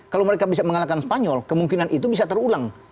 kalau mereka bisa mengalahkan spanyol kemungkinan itu bisa terulang